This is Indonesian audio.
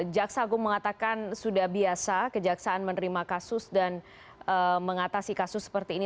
jaksa agung mengatakan sudah biasa kejaksaan menerima kasus dan mengatasi kasus seperti ini